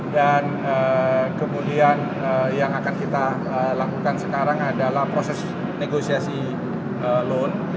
dan kemudian yang akan kita lakukan sekarang adalah proses negosiasi loan